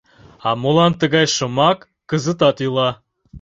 А молан тыгай шомак кызытат ила?